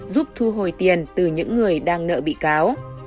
giúp thu hồi tiền từ những người đang nợ bị cáo